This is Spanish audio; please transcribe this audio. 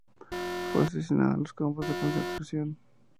Fue asesinada en los campos de concentración.